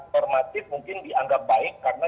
normatif mungkin dianggap baik karena